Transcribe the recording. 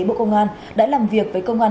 bộ công an đã làm việc với công an